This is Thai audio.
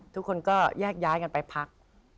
ทุกคนก็แยกย้ายกันไปพัก